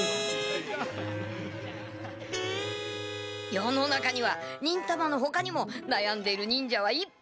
世の中には忍たまのほかにもなやんでいる忍者はいっぱいいるはず！